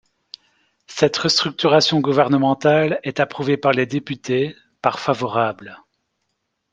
Cette restructuration gouvernementale est approuvée par les députés, par favorables.